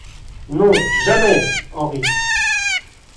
Non, jamais ! HENRI.